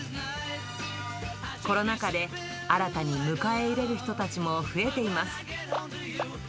コロナ禍で新たに迎え入れる人たちも増えています。